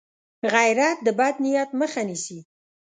غیرت د بد نیت مخه نیسي